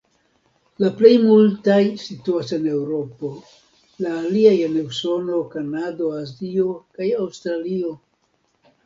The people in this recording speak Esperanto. La plej multaj situas en Eŭropo, la aliaj en Usono, Kanado, Azio kaj Aŭstralio.